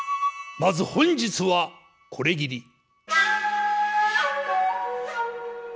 まず本日はこれぎり。